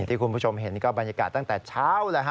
ที่คุณผู้ชมเห็นก็บรรยากาศตั้งแต่เช้า